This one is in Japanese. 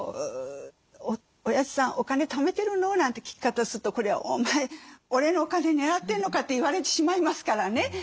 「おやじさんお金ためてるの？」なんて聞き方するとこれは「お前俺のお金狙ってんのか」って言われてしまいますからね。